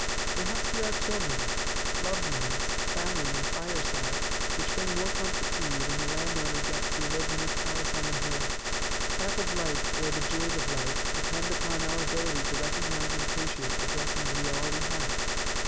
Perhaps you have children, loved ones, family and fireside which bring more comfort to you than the land owner gets who lives in his palace on the hill_. Half of Life, or the joys of Life, depend upon our ability to recognize and appreciate the blessings we already have.